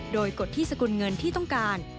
โดยกฎที่สกุลเงินที่ต้องการ